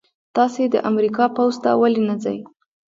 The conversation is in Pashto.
تاسې د امریکا پوځ ته ولې نه ځئ؟